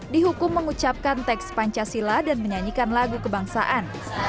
dihukum mengucapkan teks pancasila dan menyanyikan lagu kebangsaan